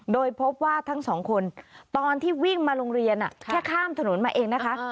โดยพบว่าทั้งสองคนตอนที่วิ่งมาโรงเรียนแค่ข้ามถนนมาเองนะคะ